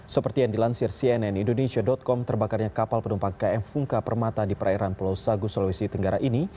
seperti yang dilansir cnn indonesia com terbakarnya kapal penumpang km fungka permata di perairan pulau sagu sulawesi tenggara ini